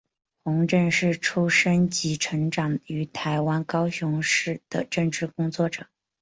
洪正是出生及成长于台湾高雄市的政治工作者。